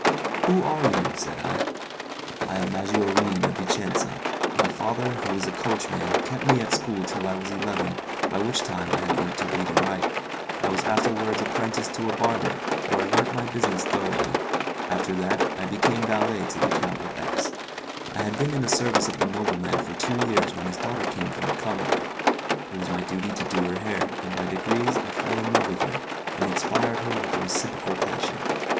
"Who are you?" said I. "I am Maggiorin, of Vicenza. My father, who was a coachman, kept me at school till I was eleven, by which time I had learnt to read and write; I was afterwards apprenticed to a barber, where I learnt my business thoroughly. After that I became valet to the Count of X . I had been in the service of the nobleman for two years when his daughter came from the convent. It was my duty to do her hair, and by degrees I fell in love with her, and inspired her with a reciprocal passion.